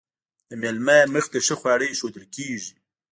د میلمه مخې ته ښه خواړه ایښودل کیږي.